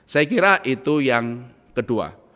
saya kira itu yang kedua